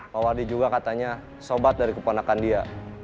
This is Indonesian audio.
mawardi juga katanya sobat dari keponakan dia